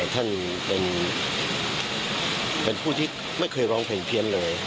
ท่านเป็นผู้ที่ไม่เคยร้องเพลงเพี้ยนเลย